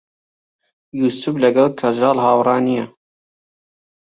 یووسف لەگەڵ کەژاڵ هاوڕا نییە.